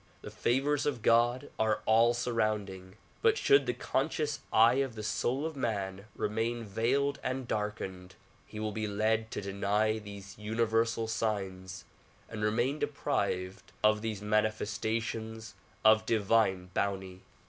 The favors of God are all surrounding but should the conscious eye of the soul of man remain veiled and darkened he will be led to deny these universal signs and remain deprived of these manifestations of divine bounty.